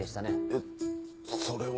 えっそれは。